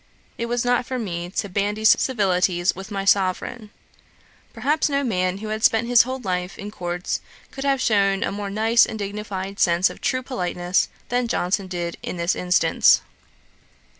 It was not for me to bandy civilities with my Sovereign.' Perhaps no man who had spent his whole life in courts could have shewn a more nice and dignified sense of true politeness, than Johnson did in this instance.